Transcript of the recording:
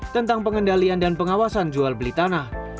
tentang pengendalian dan pengawasan jual beli tanah